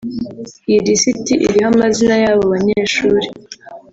Iyi lisiti iriho amazina y’abo banyeshuri